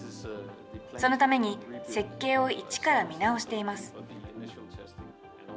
そのために、設計をいちから見直しています。